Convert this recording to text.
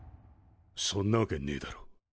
そんなわけねえだろ。